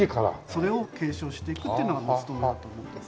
それを継承していくっていうのが務めだと思うんです。